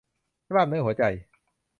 กล้ามเนื้อหัวใจ